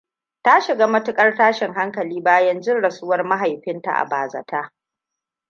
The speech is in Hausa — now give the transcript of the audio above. Ta shiga matuƙar tashin hankali bayan jin rasuwar mahaifinta a ba-za-ta.